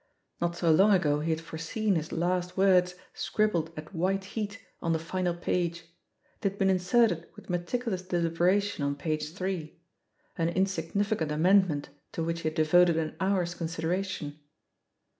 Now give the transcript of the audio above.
Not so long ago he had foreseen his last words scribbled at white heat on the final page; they had been inserted with meticulous delibera tion on page a an insignificant amendment to which he had devoted an hour's consideration.